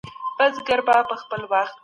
موږ باید د نړۍ له نویو طریقو ګټه پورته کړو.